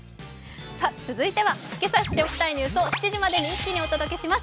続いてはけさ知っておきたいニュースを７時までに一気にお届けします